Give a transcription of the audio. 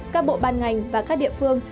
các bộ ban ngành và các địa phương